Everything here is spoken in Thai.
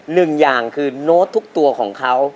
หนึ่งอย่างคือโน้ตทุกตัวของเขา